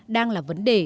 đang là vấn đề